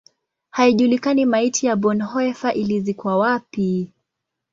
Haijulikani maiti ya Bonhoeffer ilizikwa wapi.